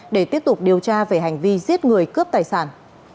để tiếp tục điều tra về hành vi giết người cướp tài sản